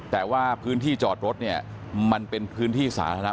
แต่ว่าพื้นที่จอดรถเนี่ยมันเป็นพื้นที่สาธารณะ